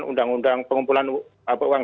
undang undang pengumpulan uang